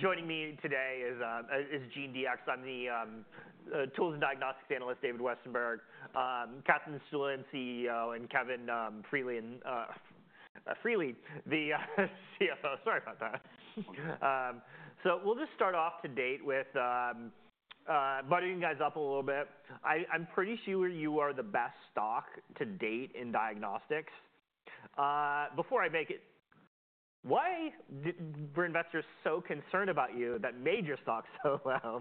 Joining me today is GeneDx. I'm the tools and diagnostics analyst, David Westenberg. Katherine Stueland, CEO, and Kevin Feeley, CFO. Sorry about that, so we'll just start off today by bringing you guys up a little bit. I'm pretty sure you are the best stock to date in diagnostics. Before I make it, why were investors so concerned about you that made your stock so well?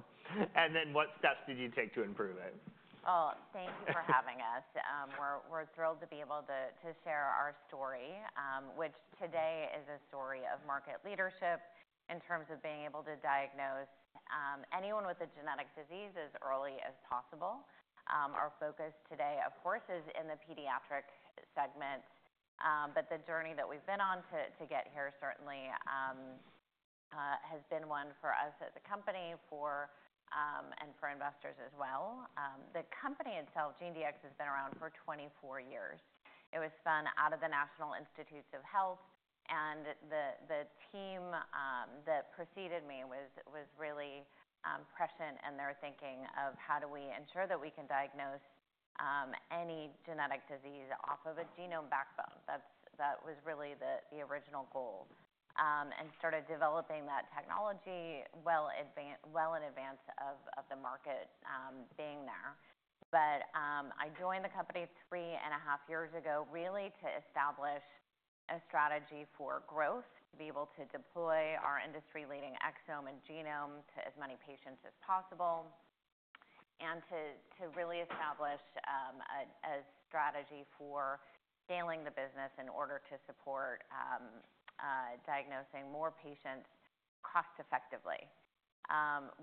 Then what steps did you take to improve it? Oh, thank you for having us. We're thrilled to be able to share our story, which today is a story of market leadership in terms of being able to diagnose anyone with a genetic disease as early as possible. Our focus today, of course, is in the pediatric segment. But the journey that we've been on to get here certainly has been one for us as a company and for investors as well. The company itself, GeneDx, has been around for 24 years. It was founded out of the National Institutes of Health. And the team that preceded me was really prescient in their thinking of how do we ensure that we can diagnose any genetic disease off of a genome backbone. That was really the original goal. And started developing that technology well in advance of the market being there. But I joined the company three and a half years ago, really to establish a strategy for growth, to be able to deploy our industry-leading exome and genome to as many patients as possible, and to really establish a strategy for scaling the business in order to support diagnosing more patients cost-effectively.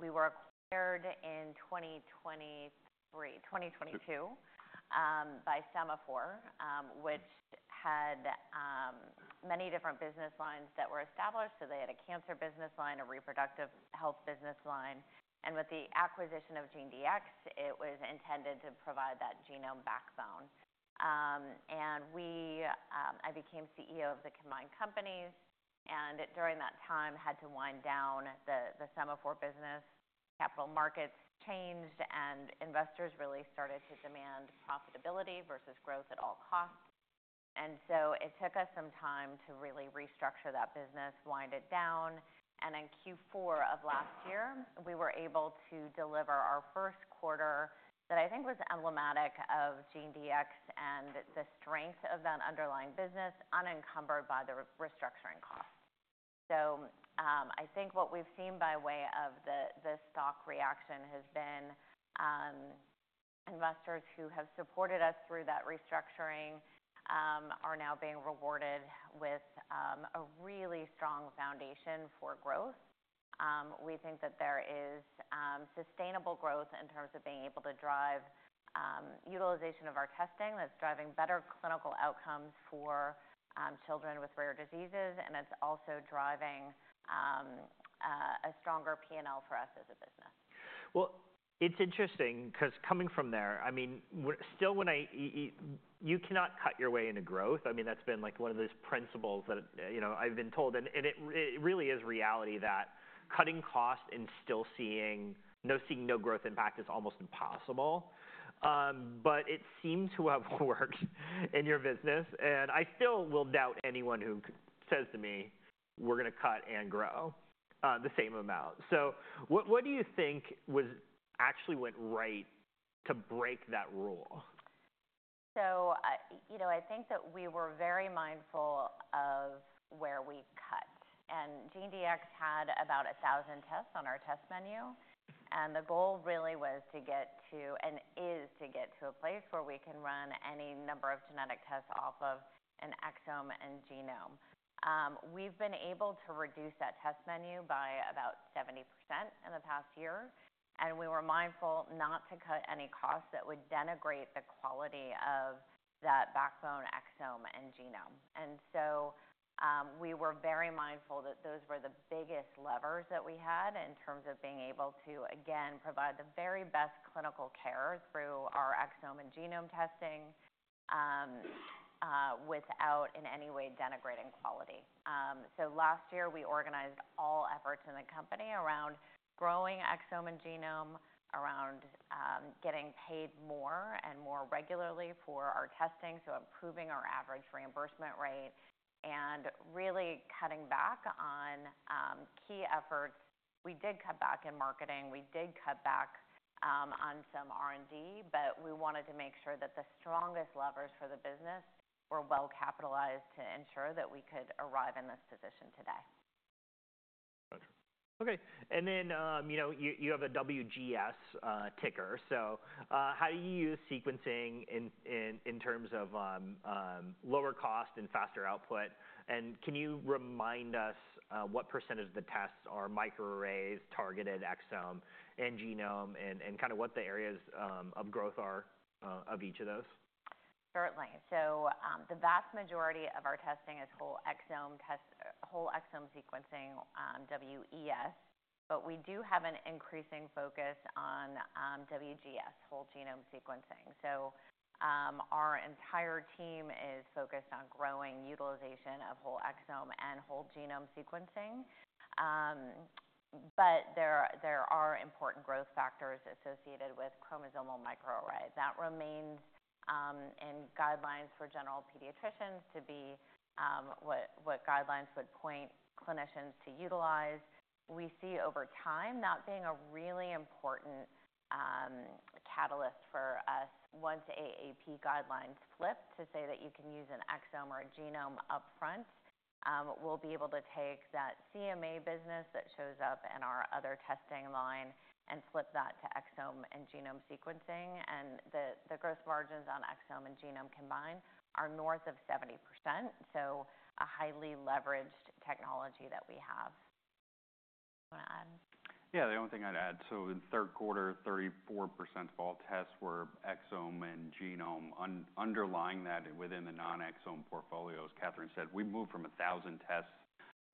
We were acquired in 2022 by Sema4, which had many different business lines that were established. So they had a cancer business line, a reproductive health business line. And with the acquisition of GeneDx, it was intended to provide that genome backbone. And I became CEO of the combined companies. And during that time, I had to wind down the Sema4 business. Capital markets changed, and investors really started to demand profitability versus growth at all costs. And so it took us some time to really restructure that business, wind it down. And in Q4 of last year, we were able to deliver our first quarter that I think was emblematic of GeneDx and the strength of that underlying business unencumbered by the restructuring costs. So I think what we've seen by way of the stock reaction has been investors who have supported us through that restructuring are now being rewarded with a really strong foundation for growth. We think that there is sustainable growth in terms of being able to drive utilization of our testing. That's driving better clinical outcomes for children with rare diseases. And it's also driving a stronger P&L for us as a business. It's interesting because coming from there, I mean, still when you cannot cut your way into growth, I mean, that's been like one of those principles that I've been told. It really is reality that cutting costs and still seeing no growth impact is almost impossible. It seems to have worked in your business. I still will doubt anyone who says to me, "We're going to cut and grow the same amount." What do you think actually went right to break that rule? So, I think that we were very mindful of where we cut, and GeneDx had about 1,000 tests on our test menu, and the goal really was to get to and is to get to a place where we can run any number of genetic tests off of an exome and genome. We've been able to reduce that test menu by about 70% in the past year, and we were mindful not to cut any costs that would denigrate the quality of that backbone exome and genome, and so we were very mindful that those were the biggest levers that we had in terms of being able to, again, provide the very best clinical care through our exome and genome testing without in any way denigrating quality. So last year, we organized all efforts in the company around growing exome and genome, around getting paid more and more regularly for our testing, so improving our average reimbursement rate, and really cutting back on key efforts. We did cut back in marketing. We did cut back on some R&D. But we wanted to make sure that the strongest levers for the business were well capitalized to ensure that we could arrive in this position today. Gotcha. OK. And then you have a WGS ticker. So how do you use sequencing in terms of lower cost and faster output? And can you remind us what percentage of the tests are microarrays, targeted exome, and genome, and kind of what the areas of growth are of each of those? Certainly. So the vast majority of our testing is whole exome sequencing, WES. But we do have an increasing focus on WGS, whole genome sequencing. So our entire team is focused on growing utilization of whole exome and whole genome sequencing. But there are important growth factors associated with chromosomal microarrays. That remains in guidelines for general pediatricians to be what guidelines would point clinicians to utilize. We see over time that being a really important catalyst for us. Once AAP guidelines flip to say that you can use an exome or a genome upfront, we'll be able to take that CMA business that shows up in our other testing line and flip that to exome and genome sequencing. And the gross margins on exome and genome combined are north of 70%, so a highly leveraged technology that we have. Do you want to add? Yeah, the only thing I'd add, so in third quarter, 34% of all tests were exome and genome. Underlying that within the non-exome portfolios, Katherine said, we moved from 1,000 tests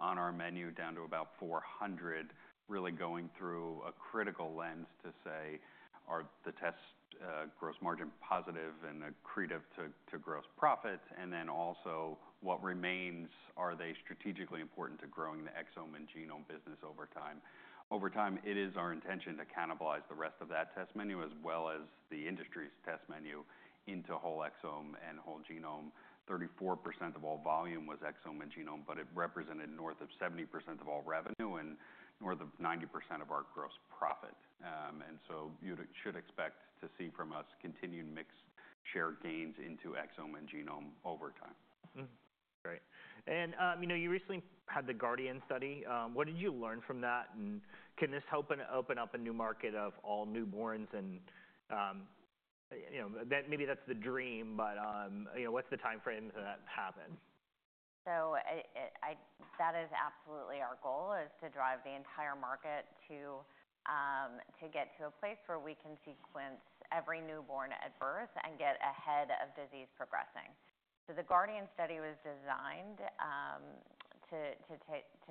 on our menu down to about 400, really going through a critical lens to say, are the tests gross margin positive and accretive to gross profit? And then also, what remains? Are they strategically important to growing the exome and genome business over time? Over time, it is our intention to cannibalize the rest of that test menu as well as the industry's test menu into whole exome and whole genome. 34% of all volume was exome and genome, but it represented north of 70% of all revenue and north of 90% of our gross profit. And so you should expect to see from us continued mix share gains into exome and genome over time. Great. And you recently had the GUARDIAN study. What did you learn from that? And can this help open up a new market of all newborns? And maybe that's the dream, but what's the time frame to that happen? So that is absolutely our goal, is to drive the entire market to get to a place where we can sequence every newborn at birth and get ahead of disease progressing. So the GUARDIAN study was designed to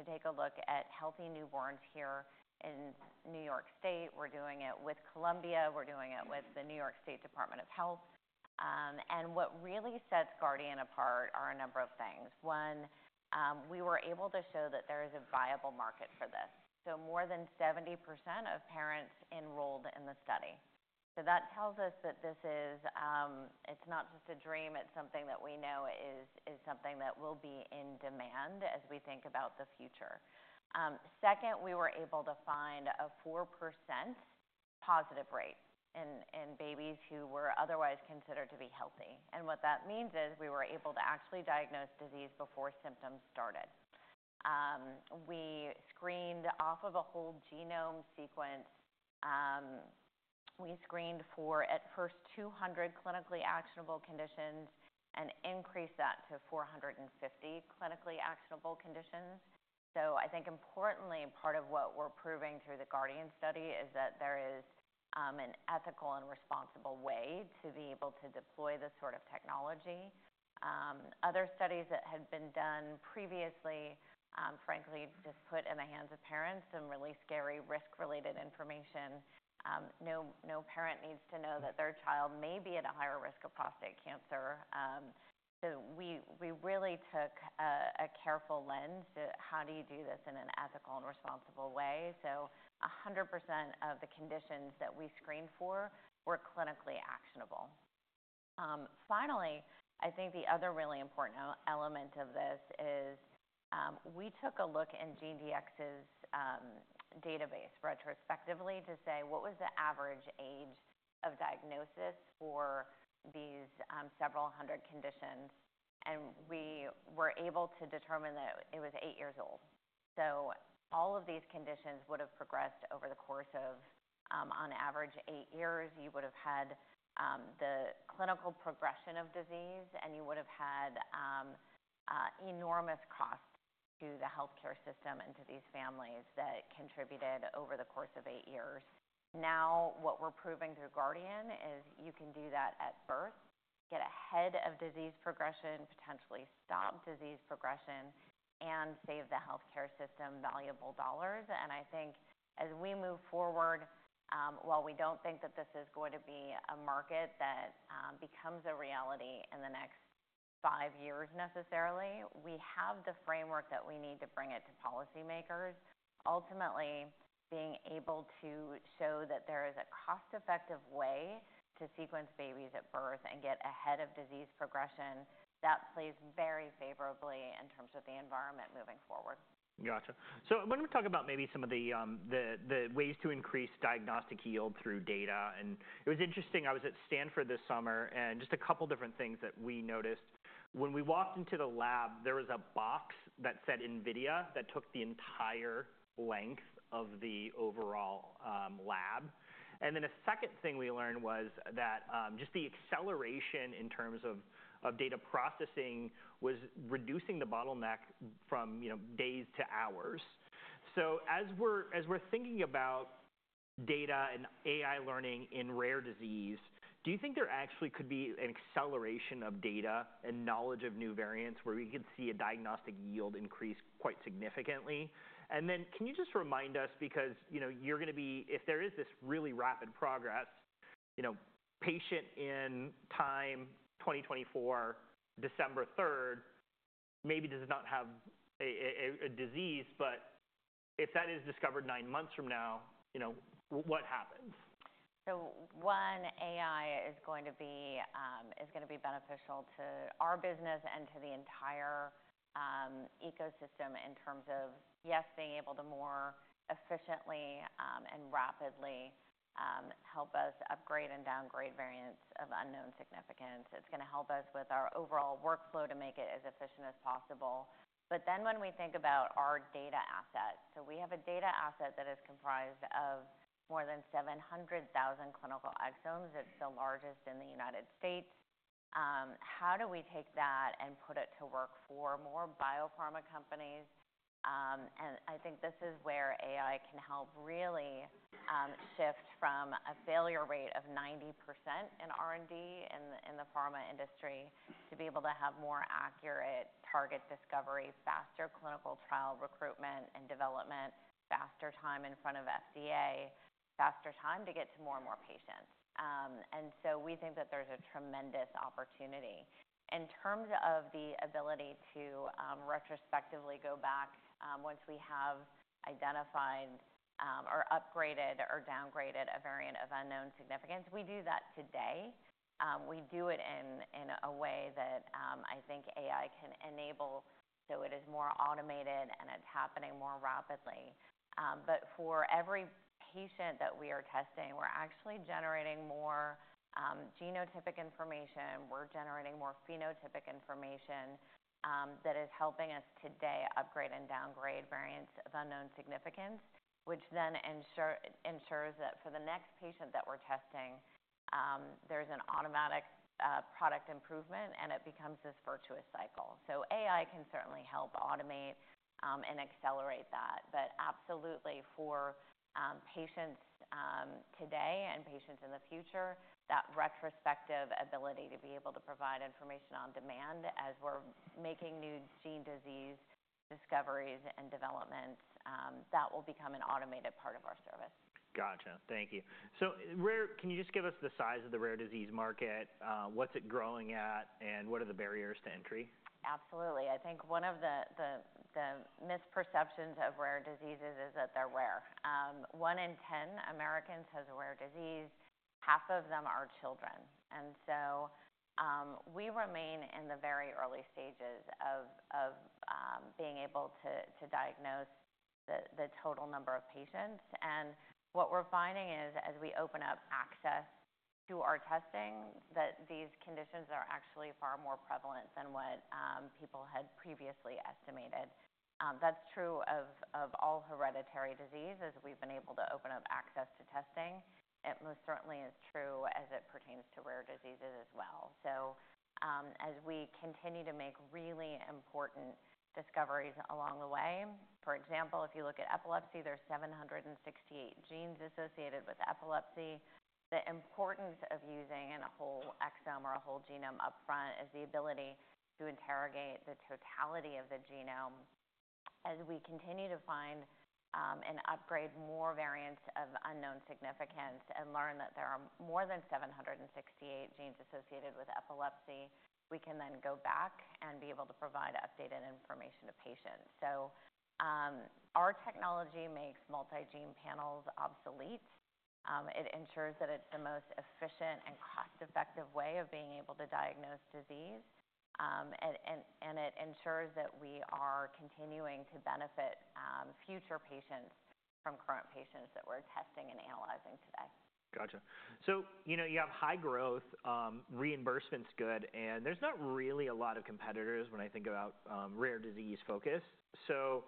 take a look at healthy newborns here in New York State. We're doing it with Columbia. We're doing it with the New York State Department of Health. And what really sets Guardian apart are a number of things. One, we were able to show that there is a viable market for this. So more than 70% of parents enrolled in the study. So that tells us that it's not just a dream. It's something that we know is something that will be in demand as we think about the future. Second, we were able to find a 4% positive rate in babies who were otherwise considered to be healthy. What that means is we were able to actually diagnose disease before symptoms started. We screened off of a whole genome sequence. We screened for, at first, 200 clinically actionable conditions and increased that to 450 clinically actionable conditions. I think importantly, part of what we're proving through the Guardian study is that there is an ethical and responsible way to be able to deploy this sort of technology. Other studies that had been done previously, frankly, just put in the hands of parents some really scary risk-related information. No parent needs to know that their child may be at a higher risk of prostate cancer. We really took a careful lens to how do you do this in an ethical and responsible way. 100% of the conditions that we screened for were clinically actionable. Finally, I think the other really important element of this is we took a look in GeneDx's database retrospectively to say, what was the average age of diagnosis for these several hundred conditions? And we were able to determine that it was eight years old. So all of these conditions would have progressed over the course of, on average, eight years. You would have had the clinical progression of disease, and you would have had enormous costs to the health care system and to these families that contributed over the course of eight years. Now what we're proving through Guardian is you can do that at birth, get ahead of disease progression, potentially stop disease progression, and save the health care system valuable dollars. I think as we move forward, while we don't think that this is going to be a market that becomes a reality in the next five years necessarily, we have the framework that we need to bring it to policymakers. Ultimately, being able to show that there is a cost-effective way to sequence babies at birth and get ahead of disease progression, that plays very favorably in terms of the environment moving forward. Gotcha. So I want to talk about maybe some of the ways to increase diagnostic yield through data. And it was interesting. I was at Stanford this summer. And just a couple of different things that we noticed. When we walked into the lab, there was a box that said NVIDIA that took the entire length of the overall lab. And then a second thing we learned was that just the acceleration in terms of data processing was reducing the bottleneck from days to hours. So as we're thinking about data and AI learning in rare disease, do you think there actually could be an acceleration of data and knowledge of new variants where we could see a diagnostic yield increase quite significantly? Can you just remind us, because you're going to be, if there is this really rapid progress, patient in time, 2024, December 3rd, maybe does not have a disease? But if that is discovered nine months from now, what happens? So one, AI is going to be beneficial to our business and to the entire ecosystem in terms of, yes, being able to more efficiently and rapidly help us upgrade and downgrade variants of unknown significance. It's going to help us with our overall workflow to make it as efficient as possible. But then when we think about our data assets, so we have a data asset that is comprised of more than 700,000 clinical exomes. It's the largest in the United States. How do we take that and put it to work for more biopharma companies? And I think this is where AI can help really shift from a failure rate of 90% in R&D in the pharma industry to be able to have more accurate target discovery, faster clinical trial recruitment and development, faster time in front of FDA, faster time to get to more and more patients. And so we think that there's a tremendous opportunity. In terms of the ability to retrospectively go back once we have identified or upgraded or downgraded a variant of unknown significance, we do that today. We do it in a way that I think AI can enable. So it is more automated, and it's happening more rapidly. But for every patient that we are testing, we're actually generating more genotypic information. We're generating more phenotypic information that is helping us today upgrade and downgrade variants of unknown significance, which then ensures that for the next patient that we're testing, there's an automatic product improvement, and it becomes this virtuous cycle. So AI can certainly help automate and accelerate that. But absolutely, for patients today and patients in the future, that retrospective ability to be able to provide information on demand as we're making new gene disease discoveries and developments, that will become an automated part of our service. Gotcha. Thank you. So can you just give us the size of the rare disease market? What's it growing at? And what are the barriers to entry? Absolutely. I think one of the misperceptions of rare diseases is that they're rare. One in 10 Americans has a rare disease. Half of them are children, and so we remain in the very early stages of being able to diagnose the total number of patients, and what we're finding is, as we open up access to our testing, that these conditions are actually far more prevalent than what people had previously estimated. That's true of all hereditary disease, as we've been able to open up access to testing. It most certainly is true as it pertains to rare diseases as well, so as we continue to make really important discoveries along the way, for example, if you look at epilepsy, there's 768 genes associated with epilepsy. The importance of using a whole exome or a whole genome upfront is the ability to interrogate the totality of the genome. As we continue to find and upgrade more variants of unknown significance and learn that there are more than 768 genes associated with epilepsy, we can then go back and be able to provide updated information to patients, so our technology makes multi-gene panels obsolete. It ensures that it's the most efficient and cost-effective way of being able to diagnose disease, and it ensures that we are continuing to benefit future patients from current patients that we're testing and analyzing today. Gotcha. So you have high growth, reimbursement's good, and there's not really a lot of competitors when I think about rare disease focus. So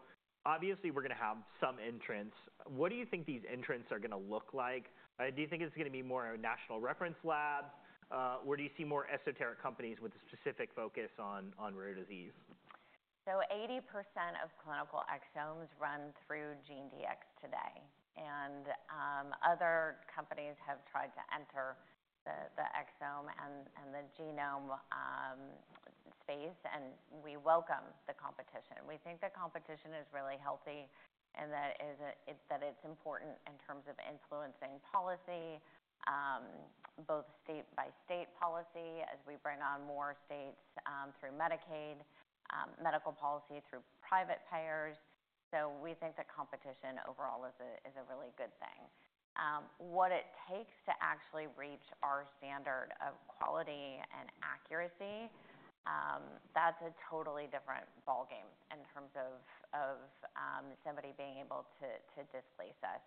obviously, we're going to have some entrants. What do you think these entrants are going to look like? Do you think it's going to be more a national reference lab? Or do you see more esoteric companies with a specific focus on rare disease? 80% of clinical exomes run through GeneDx today. Other companies have tried to enter the exome and the genome space. We welcome the competition. We think the competition is really healthy and that it's important in terms of influencing policy, both state-by-state policy, as we bring on more states through Medicaid, medical policy through private payers. Competition overall is a really good thing. What it takes to actually reach our standard of quality and accuracy, that's a totally different ball game in terms of somebody being able to displace us.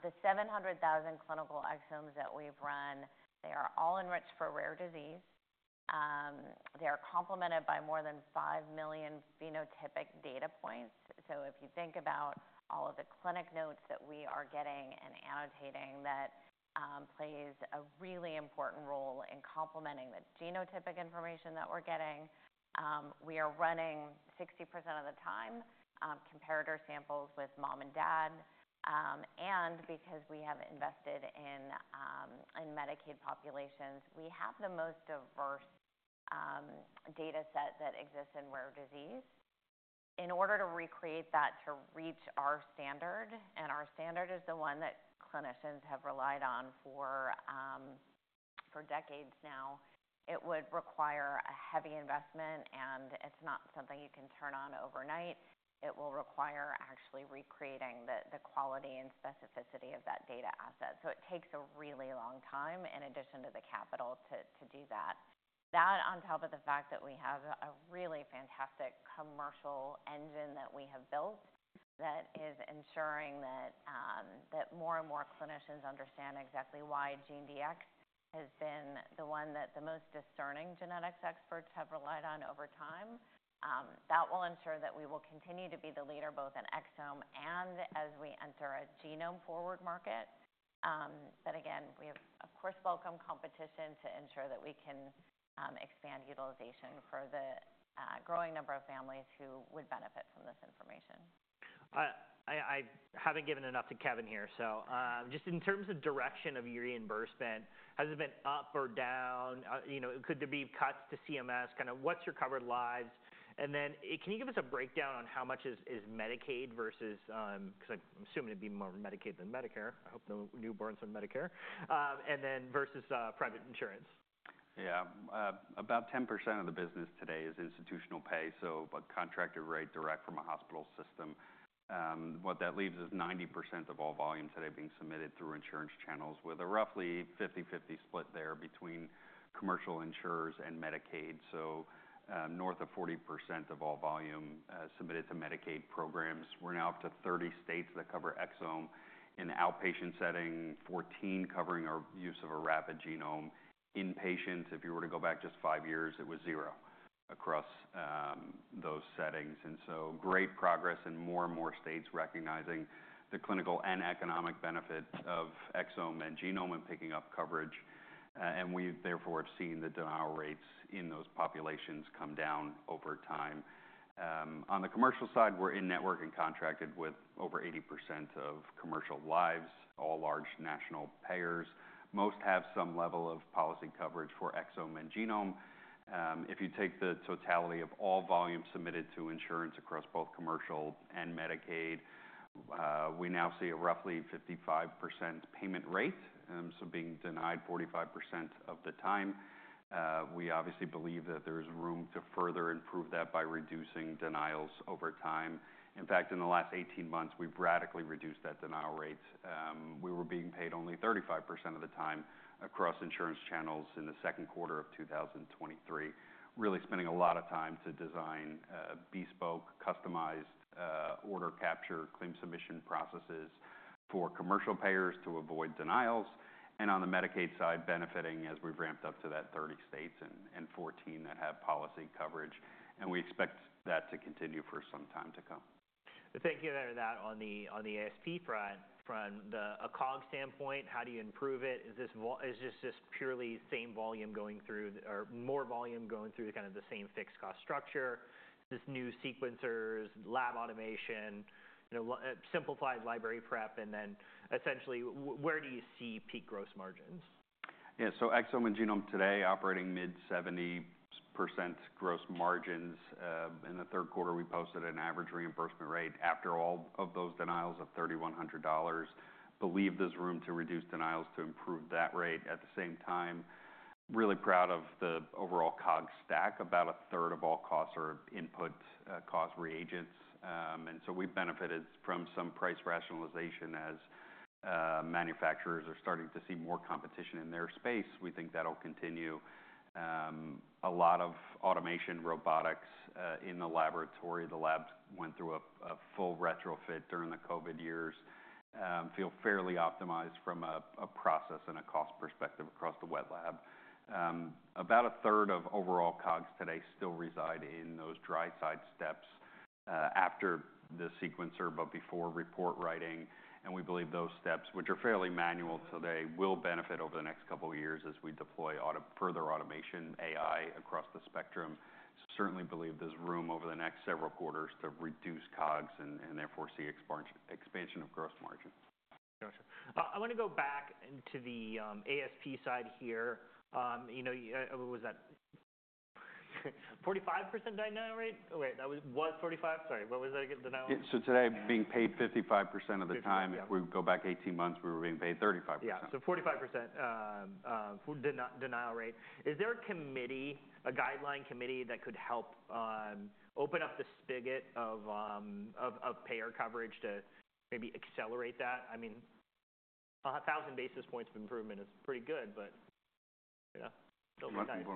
The 700,000 clinical exomes that we've run, they are all enriched for rare disease. They are complemented by more than 5 million phenotypic data points. So if you think about all of the clinical notes that we are getting and annotating, that plays a really important role in complementing the genotypic information that we're getting. We are running 60% of the time comparator samples with mom and dad. And because we have invested in Medicaid populations, we have the most diverse data set that exists in rare disease. In order to recreate that, to reach our standard, and our standard is the one that clinicians have relied on for decades now, it would require a heavy investment. And it's not something you can turn on overnight. It will require actually recreating the quality and specificity of that data asset. So it takes a really long time, in addition to the capital, to do that. That, on top of the fact that we have a really fantastic commercial engine that we have built that is ensuring that more and more clinicians understand exactly why GeneDx has been the one that the most discerning genetics experts have relied on over time, that will ensure that we will continue to be the leader, both in exome and as we enter a genome-forward market. But again, we have, of course, welcome competition to ensure that we can expand utilization for the growing number of families who would benefit from this information. I haven't given enough to Kevin here. So just in terms of direction of your reimbursement, has it been up or down? Could there be cuts to CMS? Kind of, what's your covered lives? And then can you give us a breakdown on how much is Medicaid versus, because I'm assuming it'd be more Medicaid than Medicare. I hope no newborns on Medicare. And then versus private insurance. Yeah. About 10% of the business today is institutional pay, so a contractor rate direct from a hospital system. What that leaves is 90% of all volume today being submitted through insurance channels, with a roughly 50/50 split there between commercial insurers and Medicaid. So north of 40% of all volume submitted to Medicaid programs. We're now up to 30 states that cover exome in the outpatient setting, 14 covering our use of a rapid genome. Inpatients, if you were to go back just five years, it was zero across those settings. And so great progress in more and more states recognizing the clinical and economic benefit of exome and genome and picking up coverage. And we therefore have seen the denial rates in those populations come down over time. On the commercial side, we're in network and contracted with over 80% of commercial lives, all large national payers. Most have some level of policy coverage for exome and genome. If you take the totality of all volume submitted to insurance across both commercial and Medicaid, we now see a roughly 55% payment rate, so being denied 45% of the time. We obviously believe that there is room to further improve that by reducing denials over time. In fact, in the last 18 months, we've radically reduced that denial rate. We were being paid only 35% of the time across insurance channels in the second quarter of 2023, really spending a lot of time to design bespoke, customized order capture claim submission processes for commercial payers to avoid denials. And on the Medicaid side, benefiting as we've ramped up to that 30 states and 14 that have policy coverage. And we expect that to continue for some time to come. Thinking of that on the ASP front, from a COGS standpoint, how do you improve it? Is this just purely same volume going through or more volume going through kind of the same fixed cost structure? This new sequencers, lab automation, simplified library prep, and then essentially, where do you see peak gross margins? Yeah. So exome and genome today operating mid-70% gross margins. In the third quarter, we posted an average reimbursement rate after all of those denials of $3,100. Believe there's room to reduce denials to improve that rate. At the same time, really proud of the overall COGS stack. About a third of all costs are input cost reagents. And so we've benefited from some price rationalization as manufacturers are starting to see more competition in their space. We think that'll continue. A lot of automation robotics in the laboratory. The labs went through a full retrofit during the COVID years. Feel fairly optimized from a process and a cost perspective across the wet lab. About a third of overall COGS today still reside in those dry side steps after the sequencer, but before report writing. And we believe those steps, which are fairly manual today, will benefit over the next couple of years as we deploy further automation, AI across the spectrum. Certainly believe there's room over the next several quarters to reduce COGS and therefore see expansion of gross margin. Gotcha. I want to go back to the ASP side here. What was that? 45% denial rate? Wait, that was what? 45? Sorry. What was that again? Today, being paid 55% of the time. 55%. If we go back 18 months, we were being paid 35%. Yeah. So 45% denial rate. Is there a committee, a guideline committee that could help open up the spigot of payer coverage to maybe accelerate that? I mean, 1,000 basis points of improvement is pretty good, but yeah.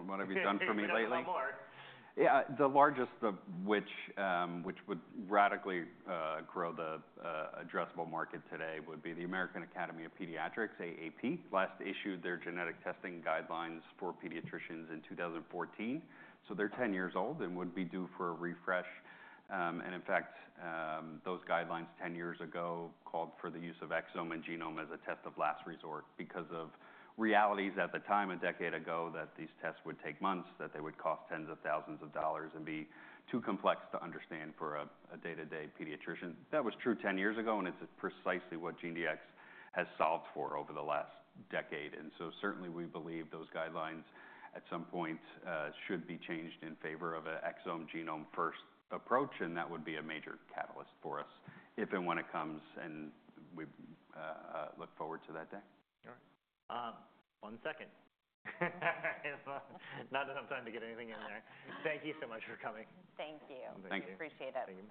What have you done for me lately? Yeah. The largest, which would radically grow the addressable market today, would be the American Academy of Pediatrics, AAP. Last issued their genetic testing guidelines for pediatricians in 2014. So they're 10 years old and would be due for a refresh. And in fact, those guidelines 10 years ago called for the use of exome and genome as a test of last resort because of realities at the time a decade ago that these tests would take months, that they would cost tens of thousands of dollars, and be too complex to understand for a day-to-day pediatrician. That was true 10 years ago, and it's precisely what GeneDx has solved for over the last decade. And so certainly, we believe those guidelines at some point should be changed in favor of an exome-genome-first approach. And that would be a major catalyst for us if and when it comes, and we look forward to that day. All right. One second. Not enough time to get anything in there. Thank you so much for coming. Thank you. Thank you. We appreciate it.